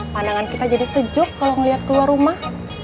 pandangan kita jadi sejuk kalau melihat keluar rumah